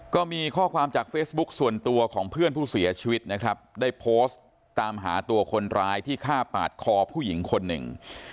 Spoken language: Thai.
ก็มีข้อความจากเฟซบุ๊คส่วนตัวของเพื่อนผู้เสียชีวิตนะครับได้โพสต์ตามหาตัวคนร้ายที่ฆ่าปาดคอผู้หญิงคนหนึ่ง